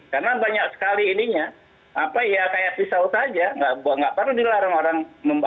karena banyak sekali ininya kayak pisau saja tidak perlu dilarang